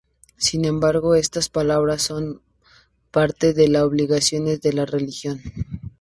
Sin embargo, estas palabras no son parte de las obligaciones de la religión.